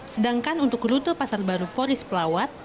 sedangkan untuk rute pasar baru poris pelawat